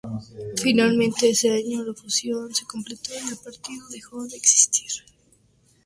Finalmente, ese año, la fusión se completó, y el partido dejó de existir.